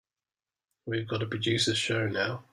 We've got to produce a show now.